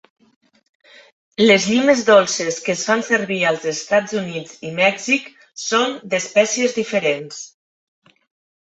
Les llimes dolces que es fan servir als Estats Units i Mèxic són d'espècies diferents.